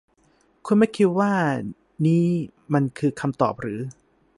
คุณไม่คิดว่านี้มันคือคำตอบหรือ ?